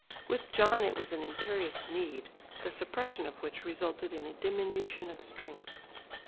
With John it was an imperious need the suppression of which resulted in a diminution of strength.